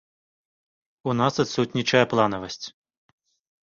У нас адсутнічае планавасць.